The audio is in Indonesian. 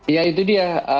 ya itu dia